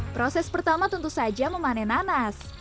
proses pertama tentu saja memanen nanas